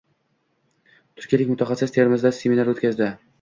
Turkiyalik mutaxassis Termizda seminar o‘tkazdi